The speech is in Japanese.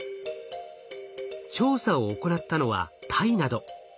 調査を行ったのはタイなど。